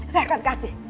saya akan kasih